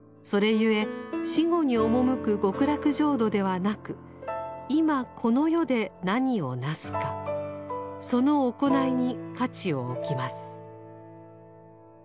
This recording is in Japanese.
ゆえ死後に赴く極楽浄土ではなく今この世で何をなすかその行いに価値を置きます。